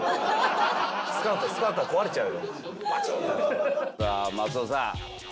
さあ松尾さん